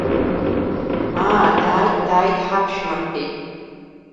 Ааа, дааит, дааит, ҳаԥшәма, — рҳәеит.